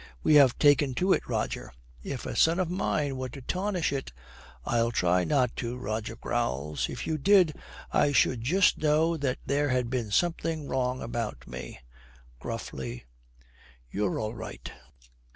We have taken to it, Roger. If a son of mine were to tarnish it ' 'I'll try not to,' Roger growls. 'If you did, I should just know that there had been something wrong about me.' Gruffly, 'You're all right.'